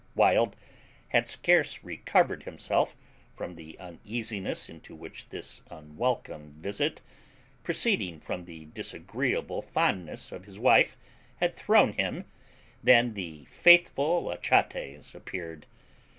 Wild had scarce recovered himself from the uneasiness into which this unwelcome visit, proceeding from the disagreeable fondness of his wife, had thrown him, than the faithful Achates appeared.